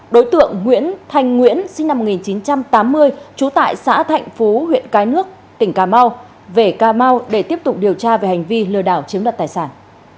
đối tượng nguyễn thanh nguyễn sinh năm một nghìn chín trăm tám mươi trú tại xã thạnh phú huyện cái nước tỉnh cà mau về cà mau để tiếp tục điều tra về hành vi lừa đảo chiếm đoạt tài sản